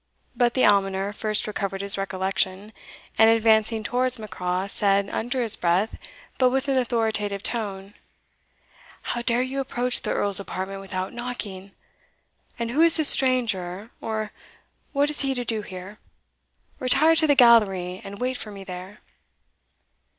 But the almoner first recovered his recollection, and advancing towards Macraw, said, under his breath, but with an authoritative tone, "How dare you approach the Earl's apartment without knocking? and who is this stranger, or what has he to do here? Retire to the gallery, and wait for me there."